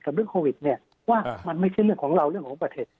เรื่องโควิดเนี่ยว่ามันไม่ใช่เรื่องของเราเรื่องของประเทศ